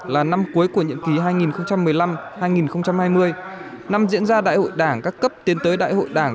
là năm cuối của nhiệm kỳ hai nghìn một mươi năm hai nghìn hai mươi năm diễn ra đại hội đảng các cấp tiến tới đại hội đảng